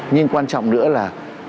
nhưng quan trọng nữa là